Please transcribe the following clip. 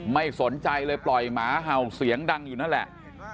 ไม่สนใจเลยปล่อยหมาเห่าเสียงดังอยู่นั่นแหละ